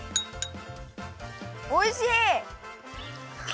おいしい！